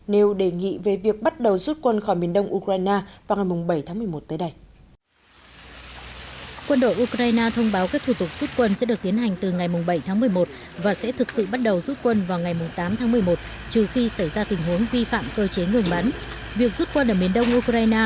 nêu đề nghị về việc bắt đầu rút quân khỏi miền đông ukraine